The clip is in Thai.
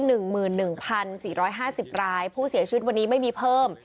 หนึ่งหมื่นหนึ่งพันสี่ร้อยห้าสิบรายผู้เสียชีวิตวันนี้ไม่มีเพิ่ม